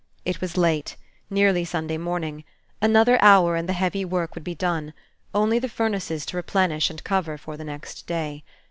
It was late, nearly Sunday morning; another hour, and the heavy work would be done, only the furnaces to replenish and cover for the next day.